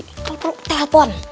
kalau perlu telpon